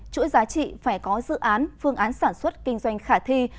chuỗi giá trị phải có dự án phương án sản xuất kinh doanh khả thi